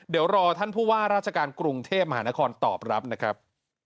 เดี๋ยวรอท่านผู้ว่าราชการกรุงเทพมหานครตอบรับนะครับ